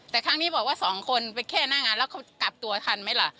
แต่ครั้งนี้บอกว่าสองคนไปแค่หน้างานแล้วเขากลับตัวทันไหมล่ะ